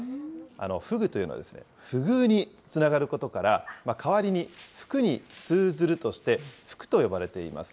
フグというのはですね、不遇につながることから、代わりに福に通ずるとして、ふくと呼ばれています。